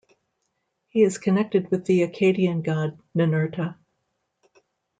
He is connected with the Akkadian god Ninurta.